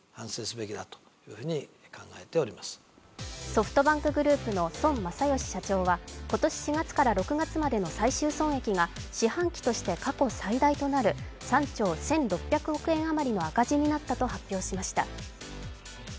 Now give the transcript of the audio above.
ソフトバンクグループの孫正義社長は今年４月から６月までの最終損益が四半期として過去最大となる３兆１６００億円余りの赤字になったと発表しました。